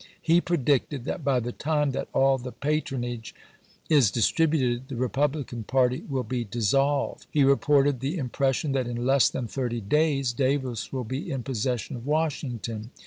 He predicted that " by the time that all the patron age is distributed the Republican party will be dis solved." He reported the impression, " that in less than thirty days Da^ds will be in possession of Washington."